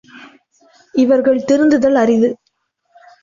இவர்கள் திருந்துதல் அரிது.